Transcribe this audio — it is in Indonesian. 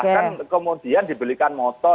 bahkan kemudian dibelikan motor